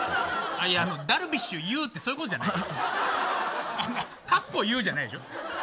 ダルビッシュ有ってそういうことじゃないからじゃないでしょ。